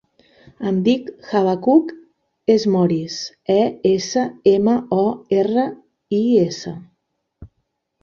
Em dic Habacuc Esmoris: e, essa, ema, o, erra, i, essa.